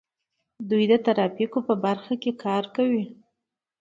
دوی د ترافیکو په برخه کې کار کوي.